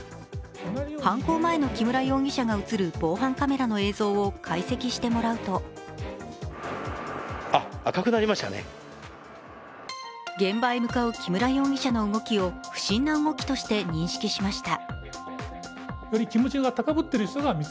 犯行前の木村容疑者が映る防犯カメラの映像を解析してもらうと現場へ向かう木村容疑者の動きを不審な動きとして認識しました。